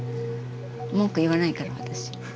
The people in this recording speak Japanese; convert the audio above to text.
文句言わないから私。